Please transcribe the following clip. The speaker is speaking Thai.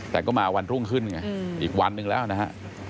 แต่ก็มาวันรุ่งขึ้นไงอีกวันหนึ่งแล้วนะฮะ